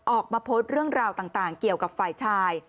ออกมาโพสต์เรื่องราวต่างเกี่ยวกับฝ่ายชาย